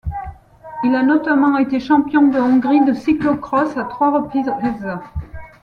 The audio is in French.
Il a notamment été champion de Hongrie de cyclo-cross à trois reprises.